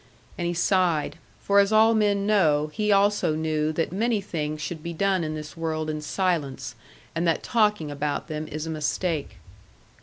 And he sighed. For as all men know, he also knew that many things should be done in this world in silence, and that talking about them is a mistake.